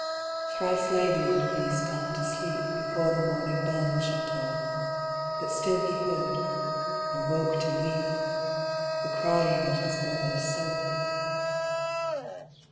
Thrice lay the old priest down to sleep Before the morning bell should toll; But still he heard—and woke to weep— The crying of his brother's soul.